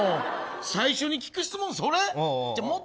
最初に聞く質問それ？